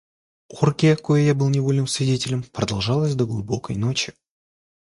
Оргия, коей я был невольным свидетелем, продолжалась до глубокой ночи.